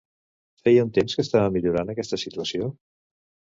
Feia un temps que estava millorant aquesta situació?